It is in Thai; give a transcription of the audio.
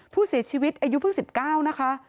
ผู้เสียชีวิตอายุเพิ่ง๑๙นะคะ